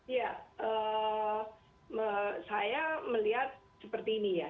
ya saya melihat seperti ini ya